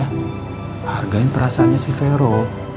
hargain perasaannya si vero